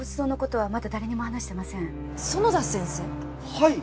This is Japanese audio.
はい。